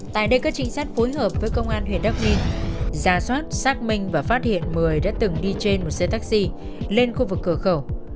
tại đây các trinh sát phối hợp với công an huyện đắk ninh giả soát xác minh và phát hiện một mươi đã từng đi trên một xe taxi lên khu vực cửa khẩu